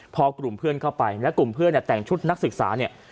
พอกลุ่มเพื่อนเข้าไปและกลุ่มเพื่อนแต่งชุดนักศึกษา